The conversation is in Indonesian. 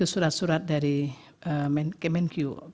surat surat dari kemenq